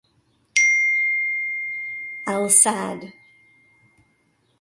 Al Sadd